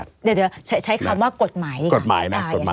เดี๋ยวใช้คำว่ากฎหมายอย่างไรได้